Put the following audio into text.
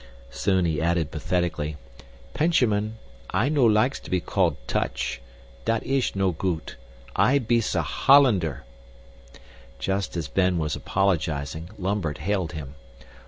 Soon he added pathetically, "Penchamin, I no likes to be call Tuch dat ish no goot. I bees a Hollander." Just as Ben was apologizing, Lambert hailed him.